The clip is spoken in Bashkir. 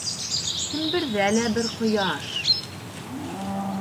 Семберҙә лә бер ҡояш.